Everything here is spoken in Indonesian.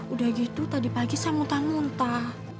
udah gitu tadi pagi saya muntah muntah